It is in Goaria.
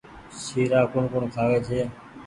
سيرآ ڪوٚڻ ڪوٚڻ کآئي